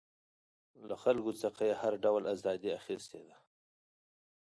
له خلکو څخه یې هر ډول ازادي اخیستې ده.